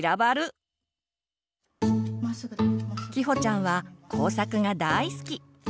きほちゃんは工作が大好き。